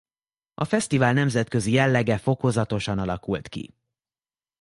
A fesztivál nemzetközi jellege fokozatosan alakult ki.